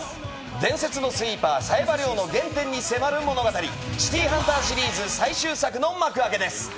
伝説のスイーパー・冴羽リョウの原点に迫る物語『シティーハンター』シリーズ最終章の幕開けです。